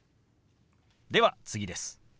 では次です。